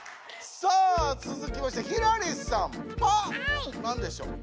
さあつづきましてはひらりさん「パ」なんでしょう？